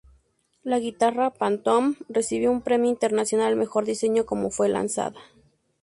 La guitarra Phantom, recibió un premio internacional al mejor diseño cuando fue lanzada.